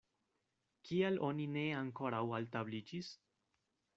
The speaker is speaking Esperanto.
Kial oni ne ankoraŭ altabliĝis?